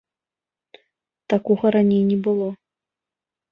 Такога раней не было!